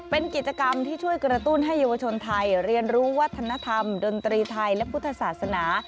เป็นกิจกรรมที่ช่วยกระตุ้นให้เยาวชนไทยเรียนรู้วัฒนธรรมดนตรีไทยและพุทธศาสนา